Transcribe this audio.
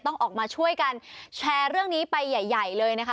ต้องออกมาช่วยกันแชร์เรื่องนี้ไปใหญ่เลยนะคะ